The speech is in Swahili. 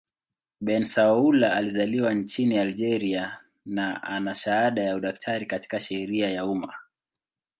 Bensaoula alizaliwa nchini Algeria na ana shahada ya udaktari katika sheria ya umma.